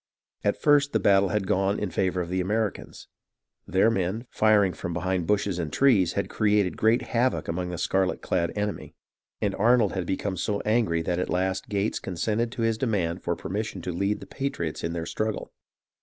At first, the battle had gone in favour of the Americans. Their men, firing from behind bushes and trees, had created great havoc among the scarlet clad enemy, and Arnold had become so angry that at last Gates consented to his demand for permission to lead the patriots in their struggle.